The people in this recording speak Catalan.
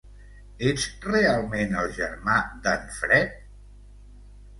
Ets realment el germà d'en Fred?